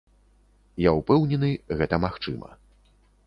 Я ўпэўнены, гэта магчыма.